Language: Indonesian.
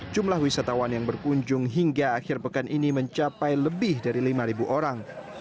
jumlah wisatawan yang berkunjung hingga akhir pekan ini mencapai lebih dari lima orang